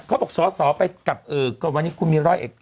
เขาบอกสอบไปกับก็วันนี้คุณมีร้อย